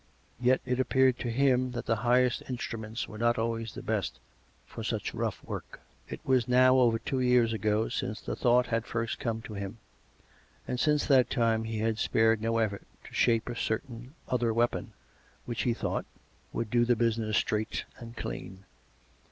Yet it ap peared to him that the highest instruments were not always the best for such rough work. It was now over two years ago since the thought had first come to him, and since that time he had spared no effort to shape a certain other weapon, which, he thought, would do the business straight and clean.